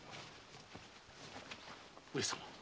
上様。